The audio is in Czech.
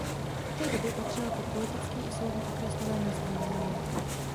V té době patřila pod politický i soudní okres Nové Město na Moravě.